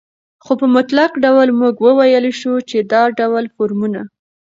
خو په مطلق ډول موږ وويلى شو، چې دا ډول فورمونه